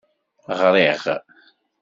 Ɣriɣ.